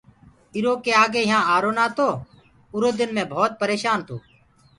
ايٚرو ڪي آگي يهآنٚ آرو نآتو آُرو دن مي ڀوتَ پريشآن تو